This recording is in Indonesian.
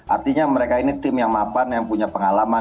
artinya mereka ini tim yang mapan yang punya pengalaman